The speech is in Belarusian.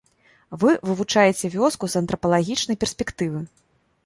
Вы вывучаеце вёску з антрапалагічнай перспектывы.